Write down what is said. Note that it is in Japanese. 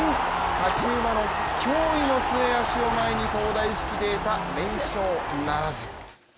勝ち馬の驚異の末脚を前に東大式データ連勝ならず。